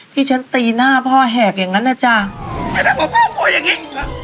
ที่ฉันตีหน้าพ่อแหกอย่างนั้นนะจ้ะไม่แปลกว่าพ่อโกรธอย่างงี้